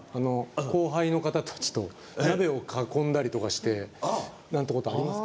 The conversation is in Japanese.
後輩の方たちと鍋を囲んだりとかしてなんてことありますか？